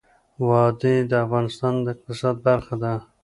وادي د افغانستان د اقتصاد برخه ده.